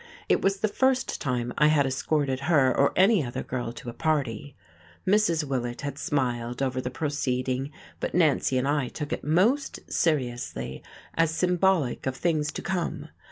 It was the first time I had escorted her or any other girl to a party; Mrs. Willett had smiled over the proceeding, but Nancy and I took it most seriously, as symbolic of things to come.